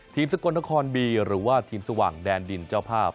สกลนครบีหรือว่าทีมสว่างแดนดินเจ้าภาพ